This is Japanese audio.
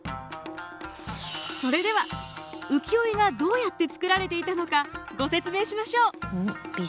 それでは浮世絵がどうやって作られていたのかご説明しましょう。